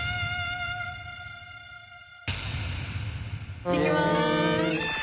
いってきます！